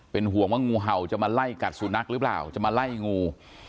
ห่วงว่างูเห่าจะมาไล่กัดสุนัขหรือเปล่าจะมาไล่งู